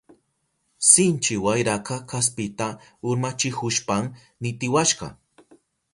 Sinchi wayraka kaspita urmachihushpan nitiwashka.